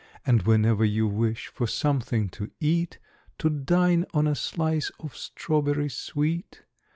And whenever you wish for something to eat, To dine on a slice of strawberry sweet?